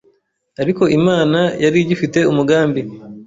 ariko Imana yari igifite umugambi